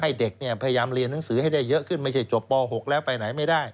เด็กเนี่ยพยายามเรียนหนังสือให้ได้เยอะขึ้นไม่ใช่จบป๖แล้วไปไหนไม่ได้